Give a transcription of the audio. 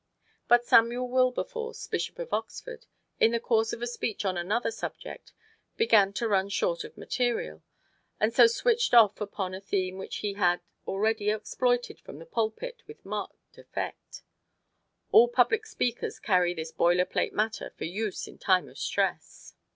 But Samuel Wilberforce, Bishop of Oxford, in the course of a speech on another subject began to run short of material, and so switched off upon a theme which he had already exploited from the pulpit with marked effect. All public speakers carry this boiler plate matter for use in time of stress.